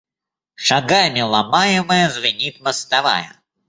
Шагами ломаемая, звенит мостовая.